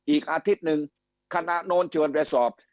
อีกอาทิตย์หนึ่งคณะโน้นชวนไปสอบ